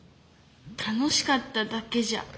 「楽しかった」だけじゃダメ？